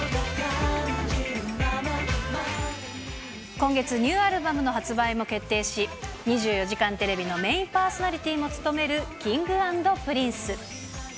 今月、ニューアルバムの発売も決定し、２４時間テレビのメインパーソナリティーも務めるＫｉｎｇ＆Ｐｒｉｎｃｅ。